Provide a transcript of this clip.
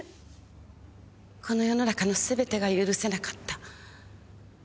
この世の中の全てが許せなかった。